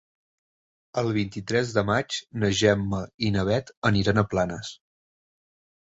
El vint-i-tres de maig na Gemma i na Bet aniran a Planes.